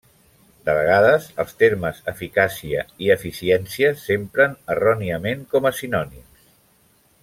De vegades els termes eficàcia i eficiència s'empren erròniament com a sinònims.